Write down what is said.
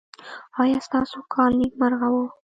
ایا ستاسو کال نیکمرغه و؟